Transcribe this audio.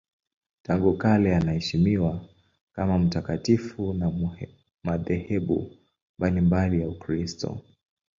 Tangu kale anaheshimiwa kama mtakatifu na madhehebu mbalimbali ya Ukristo.